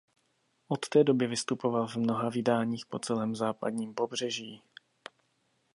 Od té doby vystupoval v mnoha vydáních po celém západním pobřeží.